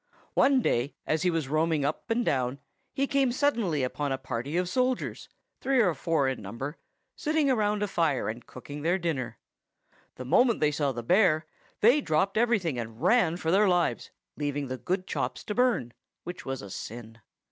One day, as he was roaming up and down, he came suddenly upon a party of soldiers, three or four in number, sitting round a fire, and cooking their dinner. The moment they saw the bear, they dropped everything, and ran for their lives, leaving the good chops to burn, which was a sin.